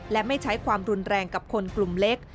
และไม่ใช้ความรุนแรงกับคนกลุ่มเล็ก